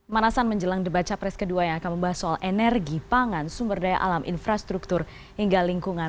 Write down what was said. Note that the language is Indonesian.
manasan menjelang debat capres kedua yang akan membahas soal energi pangan sumber daya alam infrastruktur hingga lingkungan